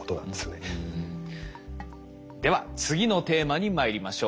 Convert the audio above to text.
では次のテーマにまいりましょう。